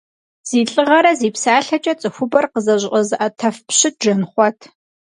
Зи лӏыгъэрэ зи псалъэкӏэ цӏыхубэр къызэщӏэзыӏэтэф пщыт Жэнхъуэт.